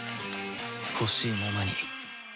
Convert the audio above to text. ほしいままに